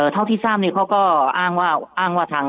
เท่าที่ซ่าบเค้าก็อ้างว่าทาง